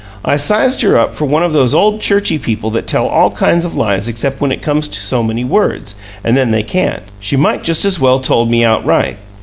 I sized her up for one of those old churchy people that tell all kinds of lies except when it comes to so many words, and then they can't. She might just as well told me outright!